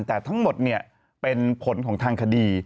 แต่ทั้งหมดเป็นผลของทางคดี